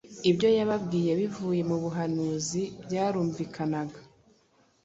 Ibyo yababwiye bivuye mu buhanuzi byarumvikanaga,